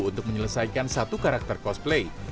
untuk menyelesaikan satu karakter cosplay